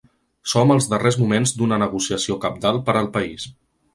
Som als darrers moments d’una negociació cabdal per al país.